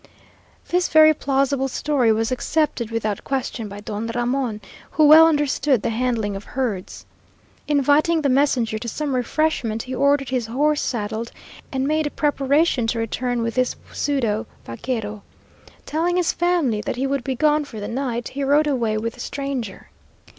This very plausible story was accepted without question by Don Ramon, who well understood the handling of herds. Inviting the messenger to some refreshment, he ordered his horse saddled and made preparation to return with this pseudo vaquero. Telling his family that he would be gone for the night, he rode away with the stranger.